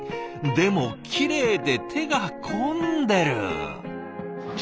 でもキレイで手が込んでる。